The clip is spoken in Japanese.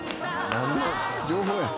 何の情報や。